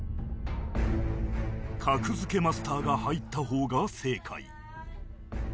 格付けマスターが入った方が正解